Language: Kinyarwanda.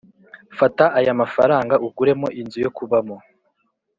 fata ayamafaranga uguremo inzu yokubamo